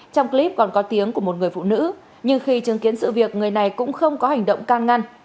trong clip còn có tiếng của một người phụ nữ nhưng khi chứng kiến sự việc người này cũng không có hành động can ngăn